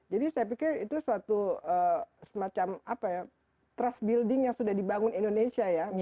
jadi saya pikir itu suatu semacam trust building yang sudah dibangun indonesia ya